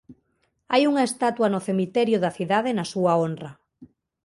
Hai unha estatua no cemiterio da cidade na súa honra.